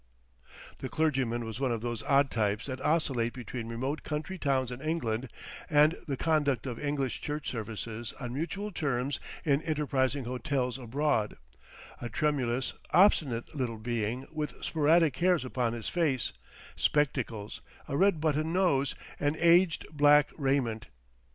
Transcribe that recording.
The clergyman was one of those odd types that oscillate between remote country towns in England and the conduct of English Church services on mutual terms in enterprising hotels abroad, a tremulous, obstinate little being with sporadic hairs upon his face, spectacles, a red button nose, and aged black raiment.